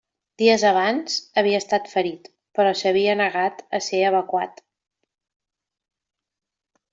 Dies abans havia estat ferit, però s'havia negat a ser evacuat.